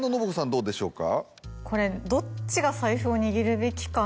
どうでしょうか？